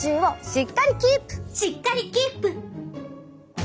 しっかりキープ！